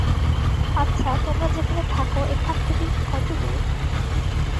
-আচ্ছা, তোমরা যেখানে থাকো এথান থেকে কতদূর?